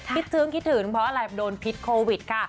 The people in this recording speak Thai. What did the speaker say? จึ้งคิดถึงเพราะอะไรโดนพิษโควิดค่ะ